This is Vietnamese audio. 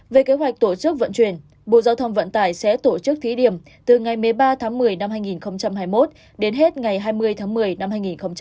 về kế hoạch tổ chức vận chuyển bộ giao thông vận tải sẽ tổ chức thí điểm từ ngày một mươi ba tháng một mươi năm hai nghìn hai mươi một đến hết ngày hai mươi tháng một mươi